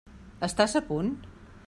Estàs a punt?